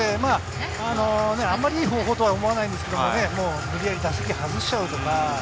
あまりいい方法とは思わないですけど、打席を外しちゃうとか。